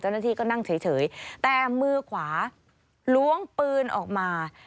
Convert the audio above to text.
เจ้าหน้าที่ก็นั่งเฉยแต่มือขวาล้วงปืนออกมา